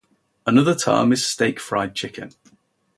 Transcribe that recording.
Another term is "steak-fried chicken".